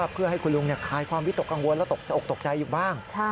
เพื่อให้คุณลุงคลายความวิตกกังวลและตกจะออกตกใจอยู่บ้าง